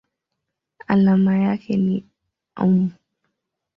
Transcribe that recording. Alama yake ni µm.